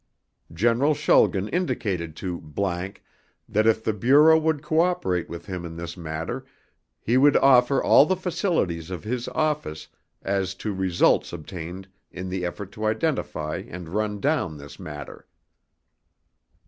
General Schulgen indicated to ____ that if the Bureau would cooperate with him in this matter, he would offer all the facilities of his office as to results obtained in the effort to identify and run down this matter.